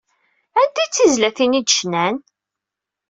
Anti ay d tizlatin ay d-cnan?